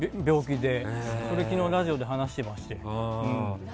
それ、昨日ラジオで話されてまして。